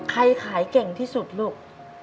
ขายเก่งที่สุดลูก